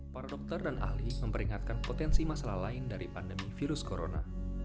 para dokter dan ahli memperingatkan potensi masalah lain dari pandemi virus corona